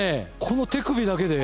この手首だけで？